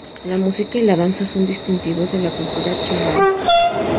La música y la danza son distintivos de la cultura charai.